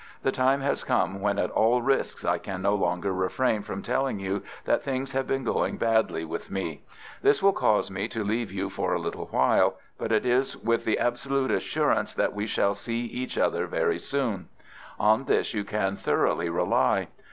The time has come when at all risks I can no longer refrain from telling you that things have been going badly with me. This will cause me to leave you for a little time, but it is with the absolute assurance that we shall see each other very soon. On this you can thoroughly rely.